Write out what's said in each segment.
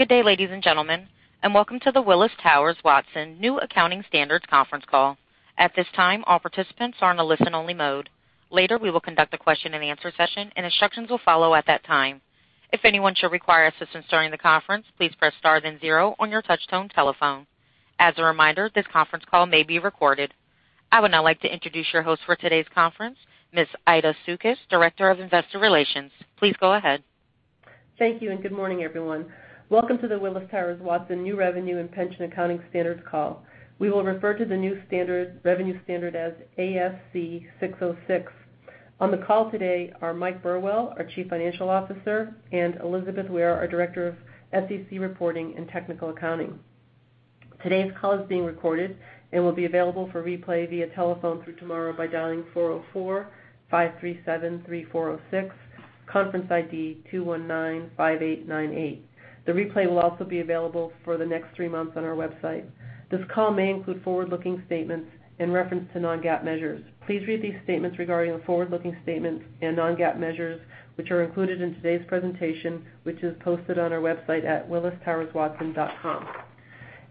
Good day, ladies and gentlemen, and welcome to the Willis Towers Watson New Accounting Standards conference call. At this time, all participants are in a listen-only mode. Later, we will conduct a question and answer session, and instructions will follow at that time. If anyone should require assistance during the conference, please press star then zero on your touchtone telephone. As a reminder, this conference call may be recorded. I would now like to introduce your host for today's conference, Ms. [Aida Sukas] Director of Investor Relations. Please go ahead. Thank you. Good morning, everyone. Welcome to the Willis Towers Watson new revenue and pension accounting standards call. We will refer to the new revenue standard as ASC 606. On the call today are Michael Burwell, our Chief Financial Officer, and Elizabeth Weir, our Director of SEC Reporting and Technical Accounting. Today's call is being recorded and will be available for replay via telephone through tomorrow by dialing 404-537-3406, conference ID 2195898. The replay will also be available for the next three months on our website. This call may include forward-looking statements in reference to non-GAAP measures. Please read these statements regarding the forward-looking statements and non-GAAP measures, which are included in today's presentation, which is posted on our website at wtwco.com.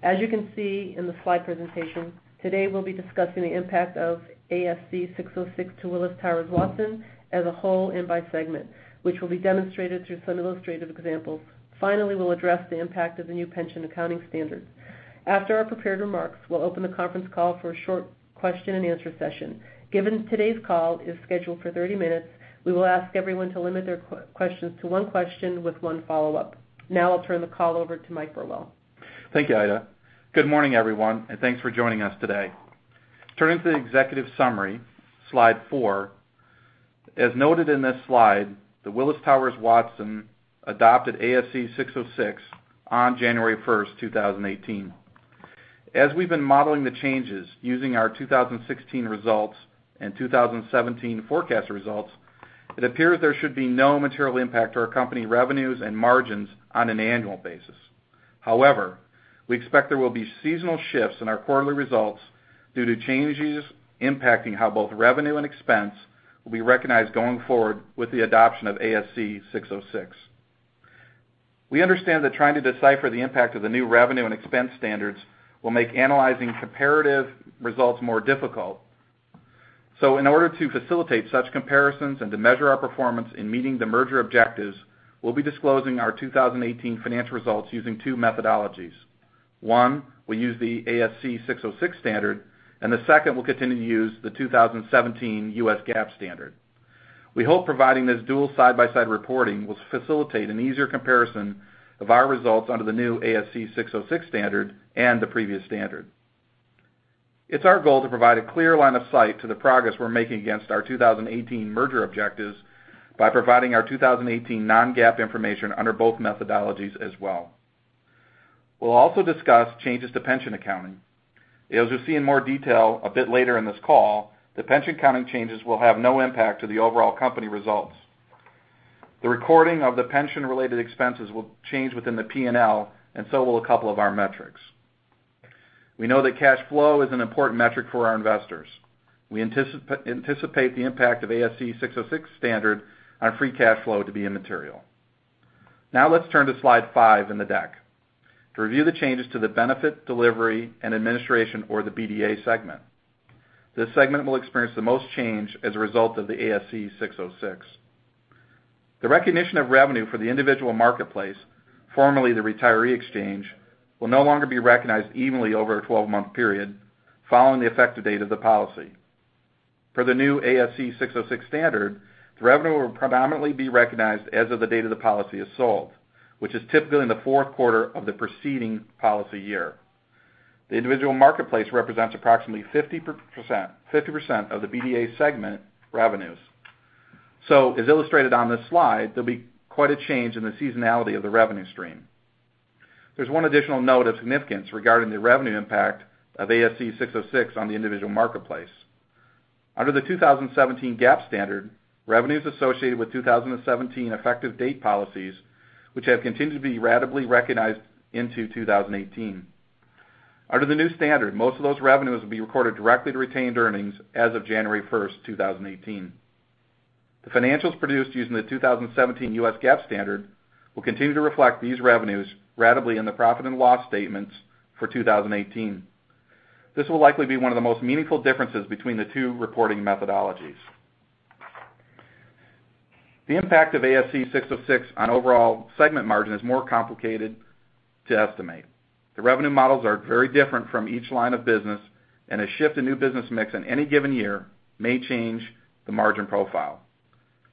As you can see in the slide presentation, today we'll be discussing the impact of ASC 606 to Willis Towers Watson as a whole and by segment, which will be demonstrated through some illustrative examples. Finally, we'll address the impact of the new pension accounting standard. After our prepared remarks, we'll open the conference call for a short question and answer session. Given today's call is scheduled for 30 minutes, we will ask everyone to limit their questions to one question with one follow-up. Now I'll turn the call over to Michael Burwell. Thank you, Aida. Good morning, everyone, and thanks for joining us today. Turning to the executive summary, slide four. As noted in this slide, the Willis Towers Watson adopted ASC 606 on January 1st, 2018. However, we expect there will be seasonal shifts in our quarterly results due to changes impacting how both revenue and expense will be recognized going forward with the adoption of ASC 606. We understand that trying to decipher the impact of the new revenue and expense standards will make analyzing comparative results more difficult. In order to facilitate such comparisons and to measure our performance in meeting the merger objectives, we'll be disclosing our 2018 financial results using two methodologies. One, we use the ASC 606 standard. The second, we'll continue to use the 2017 U.S. GAAP standard. We hope providing this dual side-by-side reporting will facilitate an easier comparison of our results under the new ASC 606 standard and the previous standard. It's our goal to provide a clear line of sight to the progress we're making against our 2018 merger objectives by providing our 2018 non-GAAP information under both methodologies as well. We'll also discuss changes to pension accounting. As you'll see in more detail a bit later in this call, the pension accounting changes will have no impact to the overall company results. The recording of the pension-related expenses will change within the P&L, and so will a couple of our metrics. We know that cash flow is an important metric for our investors. We anticipate the impact of ASC 606 standard on free cash flow to be immaterial. Now let's turn to slide five in the deck. To review the changes to the Benefits Delivery and Administration or the BDA segment. This segment will experience the most change as a result of the ASC 606. The recognition of revenue for the individual marketplace, formerly the retiree exchange, will no longer be recognized evenly over a 12-month period following the effective date of the policy. For the new ASC 606 standard, the revenue will predominantly be recognized as of the date of the policy is sold, which is typically in the fourth quarter of the preceding policy year. The individual marketplace represents approximately 50% of the BDA segment revenues. As illustrated on this slide, there'll be quite a change in the seasonality of the revenue stream. There's one additional note of significance regarding the revenue impact of ASC 606 on the individual marketplace. Under the 2017 GAAP standard, revenues associated with 2017 effective date policies, which have continued to be ratably recognized into 2018. Under the new standard, most of those revenues will be recorded directly to retained earnings as of January 1st, 2018. The financials produced using the 2017 U.S. GAAP standard will continue to reflect these revenues ratably in the profit and loss statements for 2018. This will likely be one of the most meaningful differences between the two reporting methodologies. The impact of ASC 606 on overall segment margin is more complicated to estimate. The revenue models are very different from each line of business, and a shift in new business mix on any given year may change the margin profile.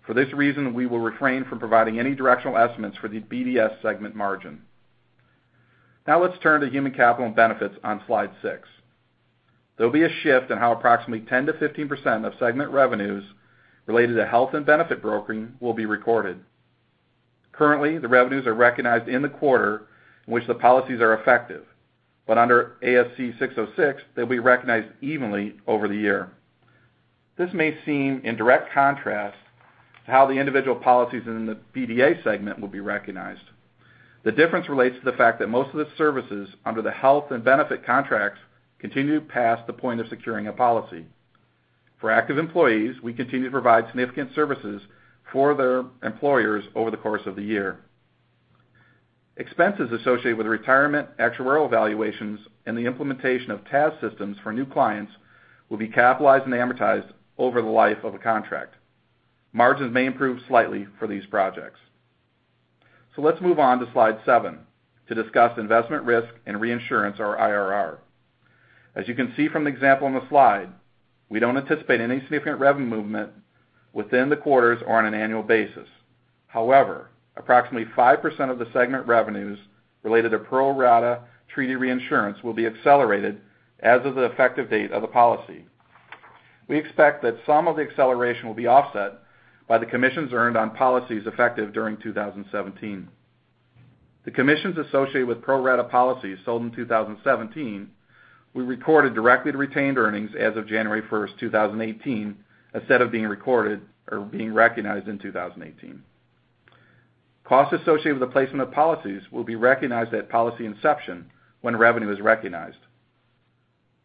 For this reason, we will refrain from providing any directional estimates for the BDA segment margin. Now let's turn to human capital and benefits on slide six. There will be a shift in how approximately 10%-15% of segment revenues related to health and benefit brokering will be recorded. Currently, the revenues are recognized in the quarter in which the policies are effective. Under ASC 606, they'll be recognized evenly over the year. This may seem in direct contrast to how the individual policies in the BDA segment will be recognized. The difference relates to the fact that most of the services under the health and benefit contracts continue past the point of securing a policy. For active employees, we continue to provide significant services for their employers over the course of the year. Expenses associated with retirement actuarial valuations and the implementation of TAS systems for new clients will be capitalized and amortized over the life of a contract. Margins may improve slightly for these projects. Let's move on to slide seven to discuss Investment, Risk and Reinsurance or IRR. As you can see from the example on the slide, we don't anticipate any significant revenue movement within the quarters or on an annual basis. However, approximately 5% of the segment revenues related to pro-rata treaty reinsurance will be accelerated as of the effective date of the policy. We expect that some of the acceleration will be offset by the commissions earned on policies effective during 2017. The commissions associated with pro-rata policies sold in 2017, we recorded directly to retained earnings as of January 1st, 2018, instead of being recorded or being recognized in 2018. Costs associated with the placement of policies will be recognized at policy inception when revenue is recognized.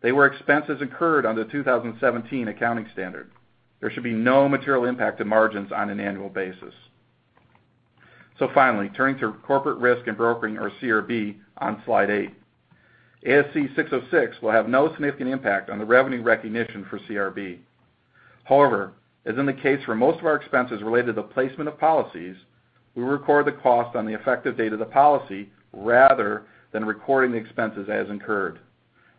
They were expenses incurred under the 2017 accounting standard. There should be no material impact to margins on an annual basis. Finally, turning to Corporate Risk and Broking, or CRB, on slide eight. ASC 606 will have no significant impact on the revenue recognition for CRB. However, as in the case for most of our expenses related to placement of policies, we record the cost on the effective date of the policy rather than recording the expenses as incurred.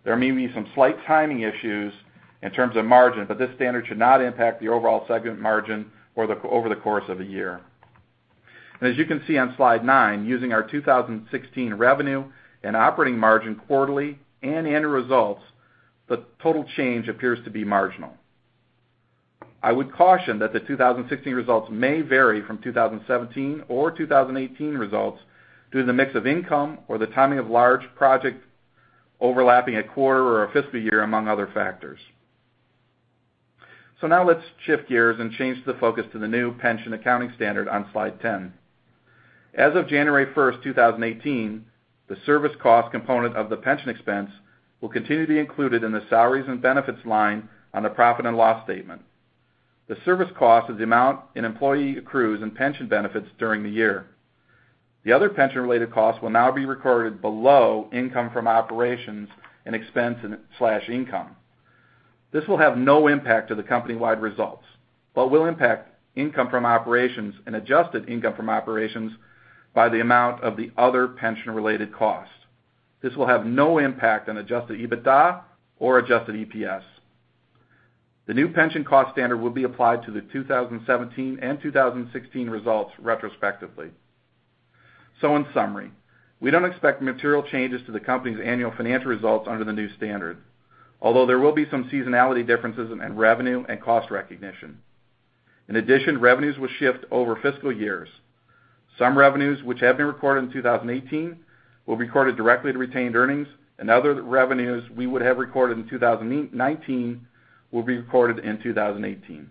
There may be some slight timing issues in terms of margin, but this standard should not impact the overall segment margin over the course of the year. As you can see on slide nine, using our 2016 revenue and operating margin quarterly and annual results, the total change appears to be marginal. I would caution that the 2016 results may vary from 2017 or 2018 results due to the mix of income or the timing of large project overlapping a quarter or a fiscal year, among other factors. Now let's shift gears and change the focus to the new pension accounting standard on slide 10. As of January 1st, 2018, the service cost component of the pension expense will continue to be included in the salaries and benefits line on the profit and loss statement. The service cost is the amount an employee accrues in pension benefits during the year. The other pension-related costs will now be recorded below income from operations and expense/income. This will have no impact to the company-wide results, but will impact income from operations and adjusted income from operations by the amount of the other pension-related costs. This will have no impact on adjusted EBITDA or adjusted EPS. The new pension cost standard will be applied to the 2017 and 2016 results retrospectively. In summary, we don't expect material changes to the company's annual financial results under the new standard, although there will be some seasonality differences in revenue and cost recognition. In addition, revenues will shift over fiscal years. Some revenues which have been recorded in 2018 will be recorded directly to retained earnings, and other revenues we would have recorded in 2019 will be recorded in 2018.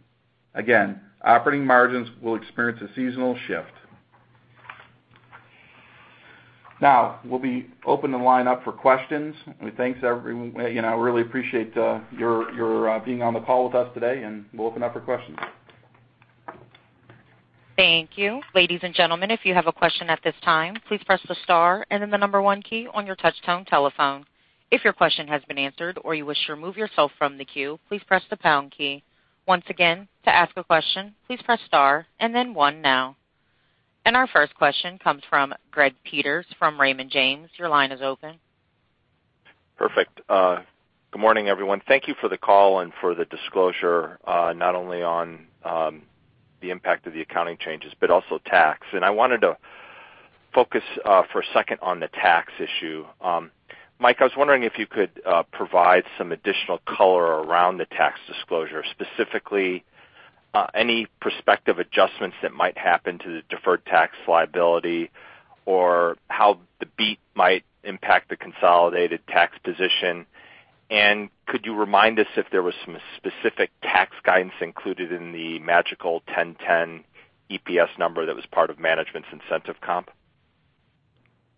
Again, operating margins will experience a seasonal shift. Now, we'll be open the line up for questions. Thanks, everyone. I really appreciate your being on the call with us today, and we'll open up for questions. Thank you. Ladies and gentlemen, if you have a question at this time, please press the star and then the number one key on your touch tone telephone. If your question has been answered or you wish to remove yourself from the queue, please press the pound key. Once again, to ask a question, please press star and then one now. Our first question comes from Greg Peters from Raymond James. Your line is open. Perfect. Good morning, everyone. Thank you for the call and for the disclosure, not only on the impact of the accounting changes, but also tax. I wanted to focus for a second on the tax issue. Mike, I was wondering if you could provide some additional color around the tax disclosure, specifically any prospective adjustments that might happen to the deferred tax liability or how the BEAT might impact the consolidated tax position. Could you remind us if there was some specific tax guidance included in the magical $1,010 EPS number that was part of management's incentive comp?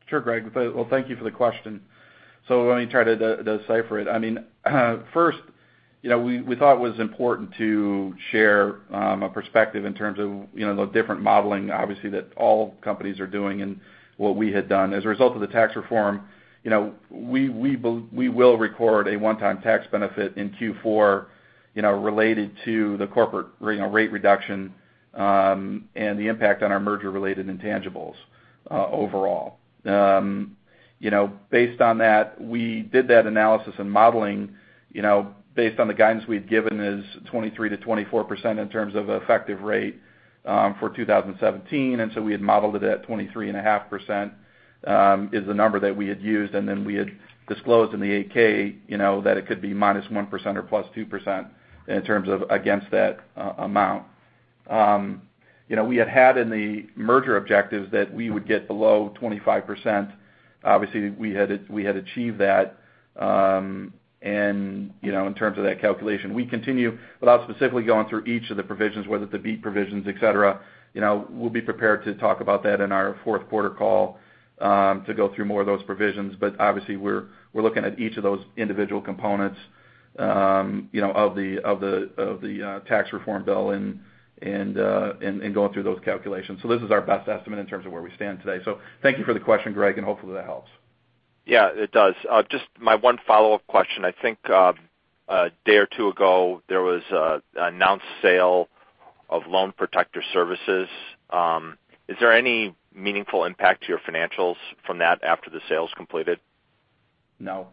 Sure, Greg. Thank you for the question. Let me try to decipher it. First, we thought it was important to share a perspective in terms of the different modeling, obviously, that all companies are doing and what we had done. As a result of the tax reform, we will record a one-time tax benefit in Q4 related to the corporate rate reduction and the impact on our merger-related intangibles overall. Based on that, we did that analysis and modeling based on the guidance we had given is 23%-24% in terms of effective rate for 2017. We had modeled it at 23.5% is the number that we had used, then we had disclosed in the 8-K that it could be -1% or +2% in terms of against that amount. We had in the merger objectives that we would get below 25%. Obviously, we had achieved that in terms of that calculation. Without specifically going through each of the provisions, whether it's the BEAT provisions, et cetera, we'll be prepared to talk about that in our fourth quarter call to go through more of those provisions. Obviously, we're looking at each of those individual components of the tax reform bill and going through those calculations. This is our best estimate in terms of where we stand today. Thank you for the question, Greg, and hopefully that helps. Yeah, it does. Just my one follow-up question. I think a day or two ago, there was an announced sale of Loan Protector Services. Is there any meaningful impact to your financials from that after the sale is completed? No.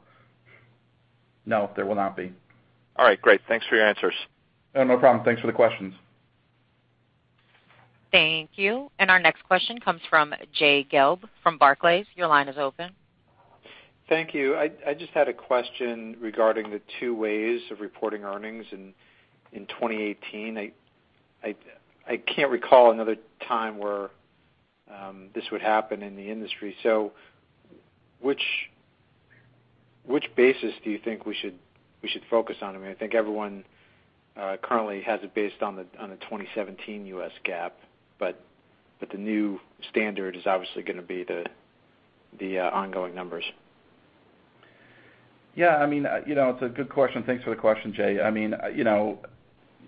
No, there will not be. All right, great. Thanks for your answers. Oh, no problem. Thanks for the questions. Thank you. Our next question comes from Jay Gelb from Barclays. Your line is open. Thank you. I just had a question regarding the two ways of reporting earnings in 2018. I can't recall another time where this would happen in the industry. Which basis do you think we should focus on? I think everyone currently has it based on the 2017 U.S. GAAP, but the new standard is obviously going to be the ongoing numbers. Yeah. It's a good question. Thanks for the question, Jay.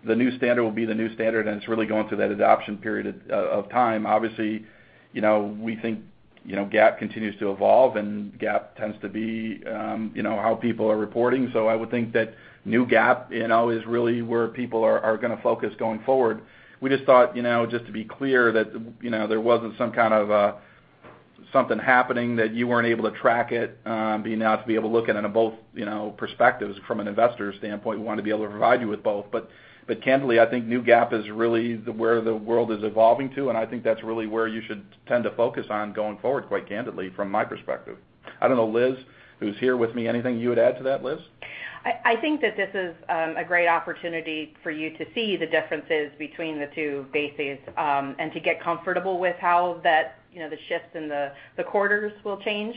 The new standard will be the new standard, and it's really going through that adoption period of time. Obviously, we think GAAP continues to evolve, and GAAP tends to be how people are reporting. I would think that new GAAP is really where people are going to focus going forward. We just thought, just to be clear, that there wasn't something happening that you weren't able to track it, being now to be able to look at it in both perspectives. From an investor standpoint, we want to be able to provide you with both. Candidly, I think new GAAP is really where the world is evolving to, and I think that's really where you should tend to focus on going forward, quite candidly, from my perspective. I don't know, Liz, who's here with me, anything you would add to that, Liz? I think that this is a great opportunity for you to see the differences between the two bases and to get comfortable with how the shifts in the quarters will change.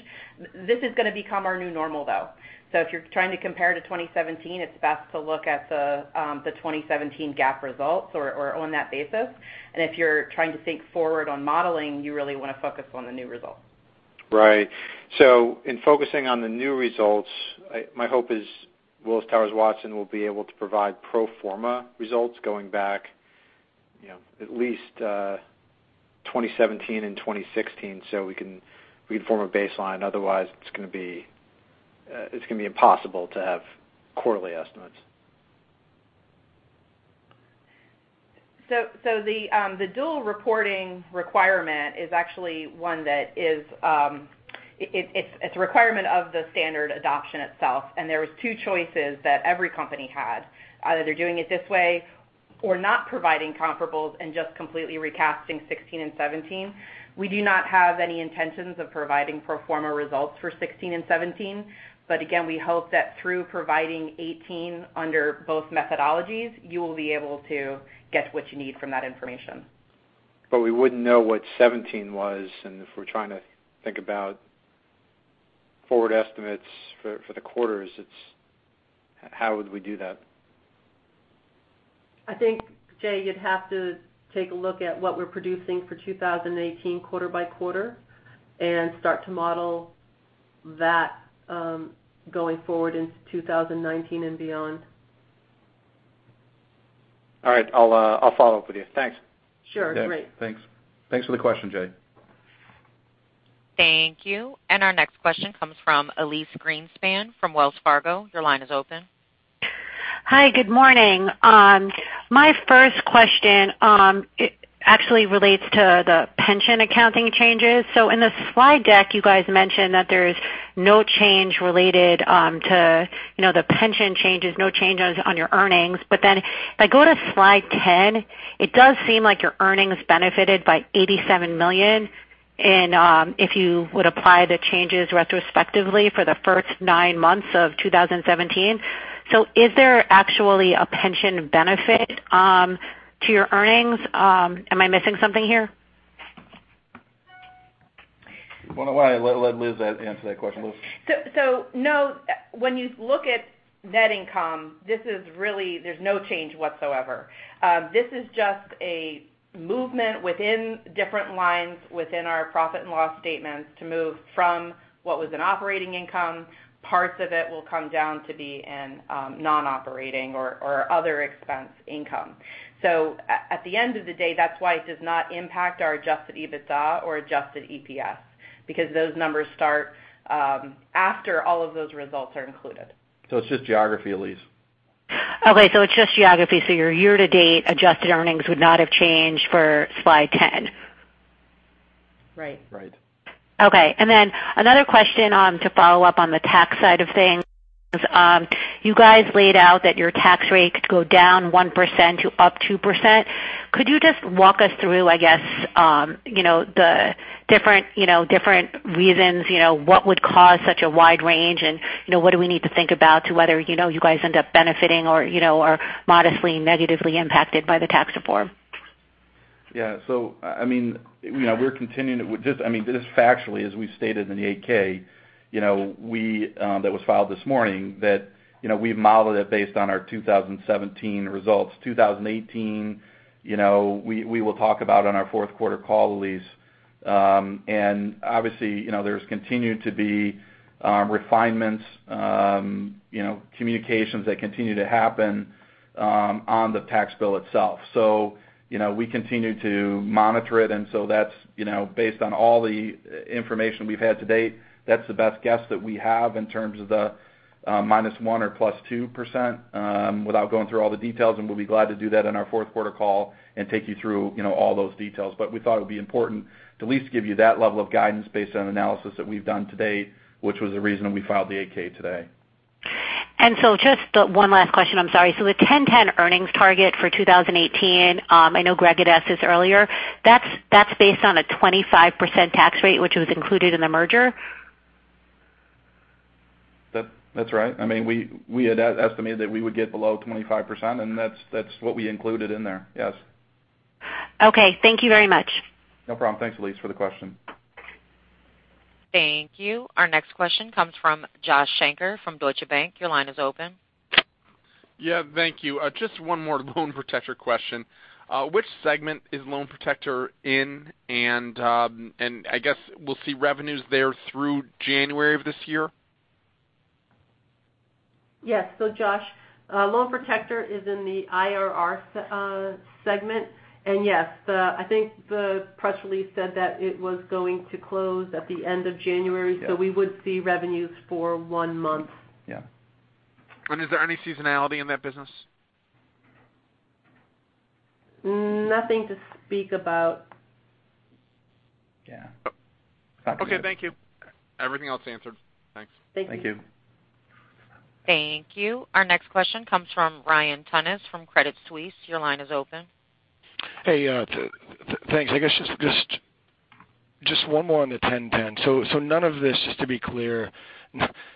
This is going to become our new normal, though. If you're trying to compare to 2017, it's best to look at the 2017 GAAP results or on that basis. If you're trying to think forward on modeling, you really want to focus on the new results. Right. In focusing on the new results, my hope is Willis Towers Watson will be able to provide pro forma results going back at least 2017 and 2016 so we can form a baseline. Otherwise, it's going to be impossible to have quarterly estimates. The dual reporting requirement is actually one that is a requirement of the standard adoption itself, and there were two choices that every company had. Either they're doing it this way or not providing comparables and just completely recasting 2016 and 2017. We do not have any intentions of providing pro forma results for 2016 and 2017. Again, we hope that through providing 2018 under both methodologies, you will be able to get what you need from that information. We wouldn't know what 2017 was, if we're trying to think about forward estimates for the quarters, how would we do that? I think, Jay, you'd have to take a look at what we're producing for 2018 quarter by quarter and start to model that going forward into 2019 and beyond. All right. I'll follow up with you. Thanks. Sure. Great. Yeah. Thanks. Thanks for the question, Jay. Thank you. Our next question comes from Elyse Greenspan from Wells Fargo. Your line is open. Hi, good morning. My first question actually relates to the pension accounting changes. In the slide deck, you guys mentioned that there's no change related to the pension changes, no changes on your earnings. If I go to slide 10, it does seem like your earnings benefited by $87 million, and if you would apply the changes retrospectively for the first nine months of 2017. Is there actually a pension benefit to your earnings? Am I missing something here? Why don't I let Liz answer that question? Liz? No, when you look at net income, there's no change whatsoever. This is just a movement within different lines within our profit and loss statements to move from what was an operating income. Parts of it will come down to be in non-operating or other expense income. At the end of the day, that's why it does not impact our adjusted EBITDA or adjusted EPS, because those numbers start after all of those results are included. It's just geography, Elyse. It's just geography. Your year-to-date adjusted earnings would not have changed for slide 10. Right. Right. Then another question to follow up on the tax side of things. You guys laid out that your tax rate could go down 1% to up 2%. Could you just walk us through, I guess, the different reasons? What would cause such a wide range, and what do we need to think about to whether you guys end up benefiting or are modestly negatively impacted by the tax reform? Just factually, as we stated in the 8-K that was filed this morning, that we've modeled it based on our 2017 results. 2018, we will talk about on our fourth quarter call, Elyse. Obviously, there's continued to be refinements, communications that continue to happen on the tax bill itself. We continue to monitor it, that's based on all the information we've had to date. That's the best guess that we have in terms of the -1% or +2%, without going through all the details, and we'll be glad to do that on our fourth quarter call and take you through all those details. We thought it would be important to at least give you that level of guidance based on analysis that we've done to date, which was the reason we filed the 8-K today. Just one last question. I'm sorry. The 10-10 earnings target for 2018, I know Greg had asked this earlier, that's based on a 25% tax rate, which was included in the merger? That's right. We had estimated that we would get below 25%, and that's what we included in there. Yes. Okay. Thank you very much. No problem. Thanks, Elyse, for the question. Thank you. Our next question comes from Joshua Shanker from Deutsche Bank. Your line is open. Yeah, thank you. Just one more Loan Protector question. Which segment is Loan Protector in? I guess we'll see revenues there through January of this year? Yes. Josh, Loan Protector is in the IRR segment. Yes, I think the press release said that it was going to close at the end of January. Yeah We would see revenues for one month. Yeah. Is there any seasonality in that business? Nothing to speak about. Yeah. Okay. Thank you. Everything else answered. Thanks. Thank you. Thank you. Thank you. Our next question comes from Ryan Tunis from Credit Suisse. Your line is open. Hey, thanks. I guess just one more on the 10-10. None of this, just to be clear,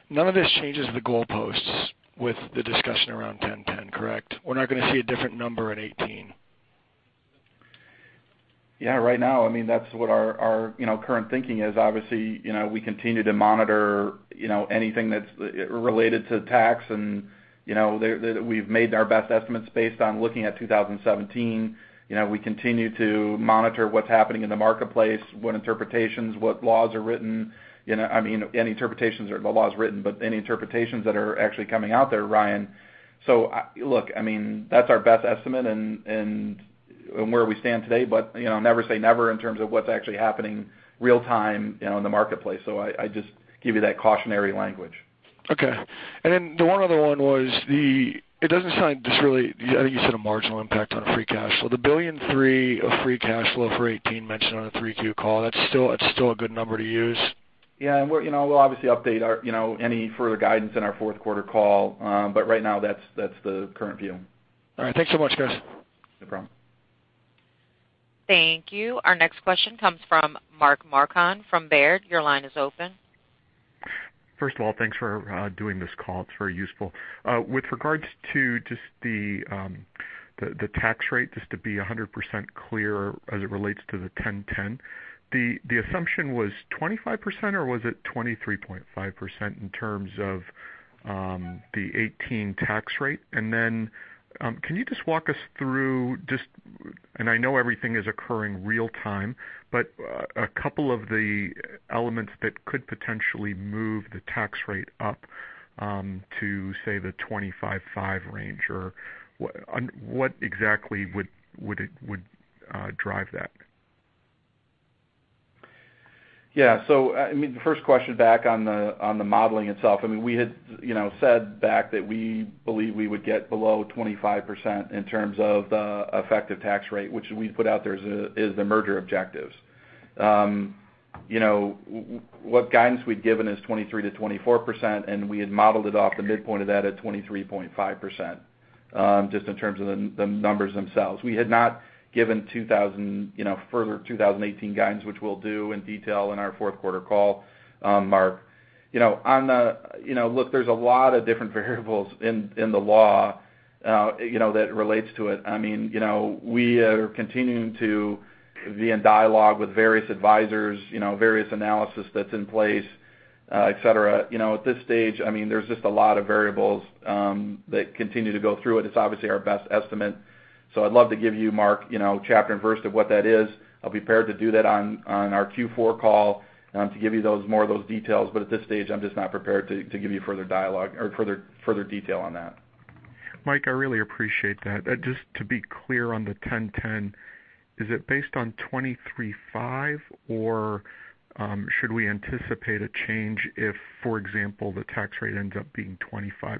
none of this changes the goalposts with the discussion around 10-10, correct? We're not going to see a different number at 18? Yeah, right now, that's what our current thinking is. Obviously, we continue to monitor anything that's related to tax, and we've made our best estimates based on looking at 2017. We continue to monitor what's happening in the marketplace, what interpretations, what laws are written. I mean, any interpretations or the laws written, but any interpretations that are actually coming out there, Ryan. Look, that's our best estimate and where we stand today, but never say never in terms of what's actually happening real time in the marketplace. I just give you that cautionary language. Okay. The one other one was, it doesn't sound just really, I think you said a marginal impact on free cash. The $1 billion and three of free cash flow for 2018 mentioned on the 3Q call, that's still a good number to use? Yeah. We'll obviously update any further guidance in our fourth quarter call. Right now that's the current view. All right. Thanks so much, guys. No problem. Thank you. Our next question comes from Mark Marcon from Baird. Your line is open. First of all, thanks for doing this call. It's very useful. With regards to just the tax rate, just to be 100% clear as it relates to the 10-10, the assumption was 25%, or was it 23.5% in terms of the 2018 tax rate? Can you just walk us through, and I know everything is occurring real time, but a couple of the elements that could potentially move the tax rate up to, say, the 25.5% range? What exactly would drive that? The first question back on the modeling itself. We had said back that we believe we would get below 25% in terms of the effective tax rate, which we put out there as the merger objectives. What guidance we'd given is 23%-24%, and we had modeled it off the midpoint of that at 23.5%, just in terms of the numbers themselves. We had not given further 2018 guidance, which we'll do in detail in our fourth quarter call, Mark. Look, there's a lot of different variables in the law that relates to it. We are continuing to be in dialogue with various advisors, various analysis that's in place, et cetera. At this stage, there's just a lot of variables that continue to go through it. It's obviously our best estimate. I'd love to give you, Mark, chapter and verse of what that is. I'll be prepared to do that on our Q4 call, to give you more of those details. At this stage, I'm just not prepared to give you further dialogue or further detail on that. Mike, I really appreciate that. Just to be clear on the 10-10, is it based on 23.5, or should we anticipate a change if, for example, the tax rate ends up being 25%?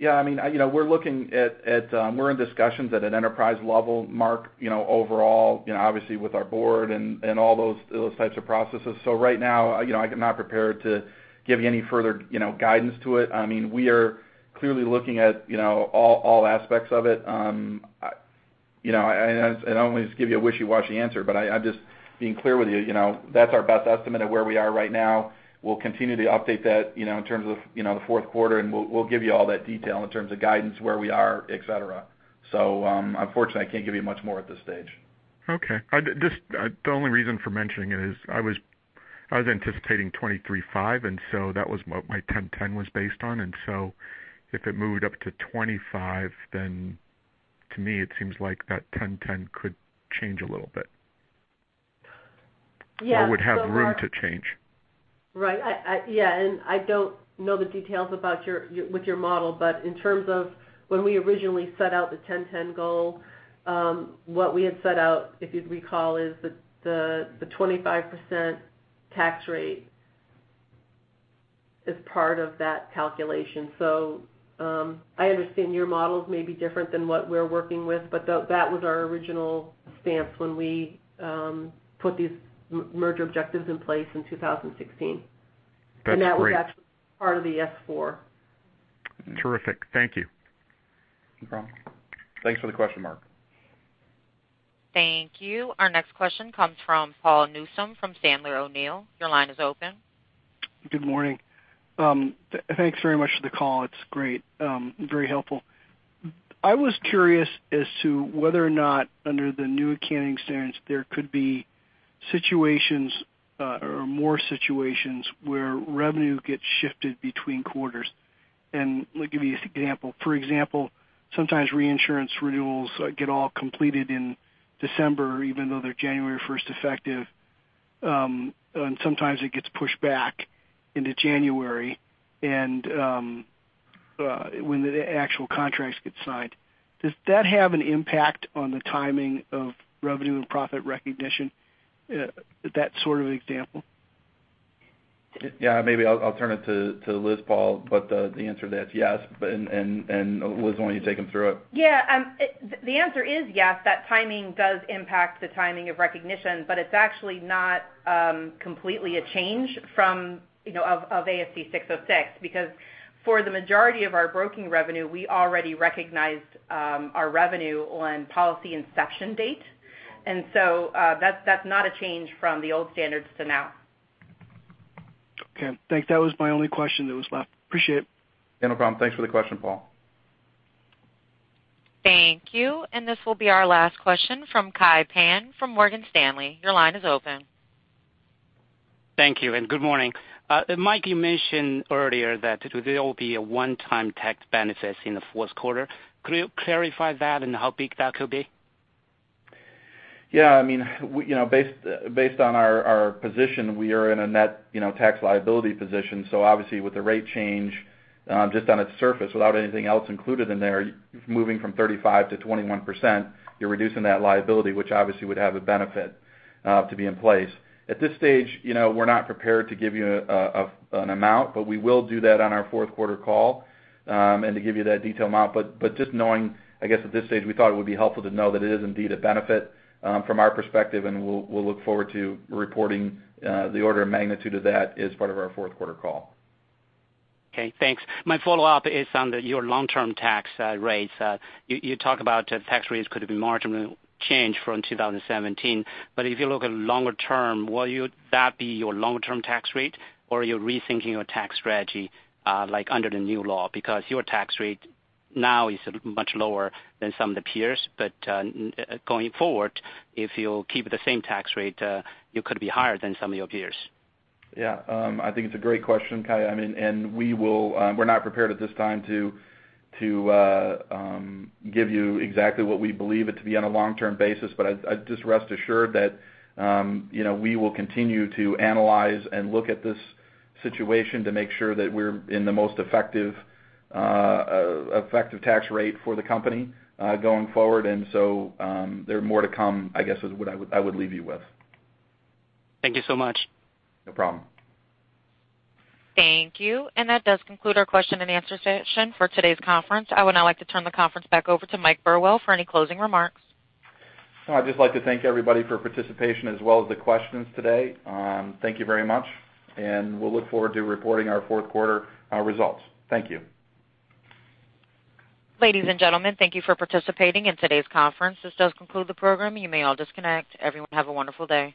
Yeah, we're in discussions at an enterprise level, Mark, overall, obviously with our board and all those types of processes. Right now, I'm not prepared to give you any further guidance to it. We are clearly looking at all aspects of it. I don't want to just give you a wishy-washy answer, I'm just being clear with you. That's our best estimate of where we are right now. We'll continue to update that in terms of the fourth quarter, we'll give you all that detail in terms of guidance, where we are, et cetera. Unfortunately, I can't give you much more at this stage. Okay. The only reason for mentioning it is I was anticipating 23.5, that was what my 10-10 was based on. If it moved up to 25, to me it seems like that 10-10 could change a little bit. Yeah. Would have room to change. Right. Yeah, I don't know the details with your model, but in terms of when we originally set out the 10-10 goal, what we had set out, if you'd recall, is the 25% tax rate as part of that calculation. I understand your models may be different than what we're working with, but that was our original stance when we put these merger objectives in place in 2016. That's great. That was actually part of the S-4. Terrific. Thank you. No problem. Thanks for the question, Mark. Thank you. Our next question comes from Paul Newsome from Sandler O'Neill. Your line is open. Good morning. Thanks very much for the call. It's great. Very helpful. I was curious as to whether or not under the new accounting standards, there could be situations, or more situations where revenue gets shifted between quarters. Let me give you an example. For example, sometimes reinsurance renewals get all completed in December, even though they're January 1st effective, and sometimes it gets pushed back into January, when the actual contracts get signed. Does that have an impact on the timing of revenue and profit recognition? That sort of example. Yeah, maybe I'll turn it to Liz, Paul, but the answer to that's yes. Liz, why don't you take him through it? Yeah. The answer is yes, that timing does impact the timing of recognition, but it's actually not completely a change of ASC 606 because for the majority of our broking revenue, we already recognized our revenue on policy inception date. That's not a change from the old standards to now. Okay. That was my only question that was left. Appreciate it. No problem. Thanks for the question, Paul. Thank you. This will be our last question from Kai Pan from Morgan Stanley. Your line is open. Thank you, and good morning. Mike, you mentioned earlier that there will be a one-time tax benefit in the fourth quarter. Could you clarify that and how big that could be? Yeah. Based on our position, we are in a net tax liability position, obviously with the rate change, just on its surface, without anything else included in there, moving from 35% to 21%, you're reducing that liability, which obviously would have a benefit to be in place. At this stage, we're not prepared to give you an amount, but we will do that on our fourth quarter call, to give you that detailed amount. Just knowing, I guess at this stage, we thought it would be helpful to know that it is indeed a benefit from our perspective, and we'll look forward to reporting the order of magnitude of that as part of our fourth quarter call. Okay, thanks. My follow-up is on your long-term tax rates. You talk about tax rates could marginally change from 2017, if you look at longer term, will that be your long-term tax rate, or are you rethinking your tax strategy under the new law? Because your tax rate now is much lower than some of the peers, going forward, if you keep the same tax rate, you could be higher than some of your peers. Yeah. I think it's a great question, Kai. We're not prepared at this time to give you exactly what we believe it to be on a long-term basis, just rest assured that we will continue to analyze and look at this situation to make sure that we're in the most effective tax rate for the company going forward. There are more to come, I guess, is what I would leave you with. Thank you so much. No problem. Thank you. That does conclude our question and answer session for today's conference. I would now like to turn the conference back over to Michael Burwell for any closing remarks. I'd just like to thank everybody for participation as well as the questions today. Thank you very much. We'll look forward to reporting our fourth quarter results. Thank you. Ladies and gentlemen, thank you for participating in today's conference. This does conclude the program. You may all disconnect. Everyone have a wonderful day.